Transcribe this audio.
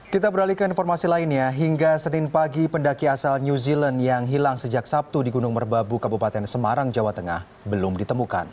kita beralih ke informasi lainnya hingga senin pagi pendaki asal new zealand yang hilang sejak sabtu di gunung merbabu kabupaten semarang jawa tengah belum ditemukan